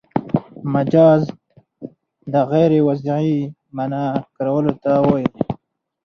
مجاز د غیر وضعي مانا کارولو ته وايي.